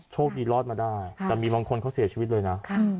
โชคดีรอดมาได้แต่มีบางคนเขาเสียชีวิตเลยนะ